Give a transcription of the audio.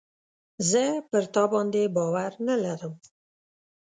زه پر تا باندي باور نه لرم .